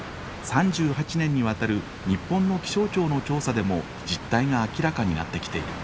３８年にわたる日本の気象庁の調査でも実態が明らかになってきている。